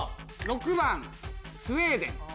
６番スウェーデン。